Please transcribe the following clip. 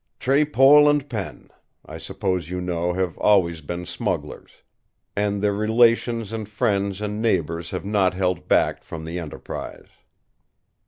'Tre Pol and Pen', I suppose you know, have always been smugglers; and their relations and friends and neighbours have not held back from the enterprise.